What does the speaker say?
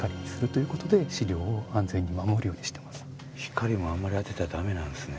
光もあんまり当てたらダメなんですね。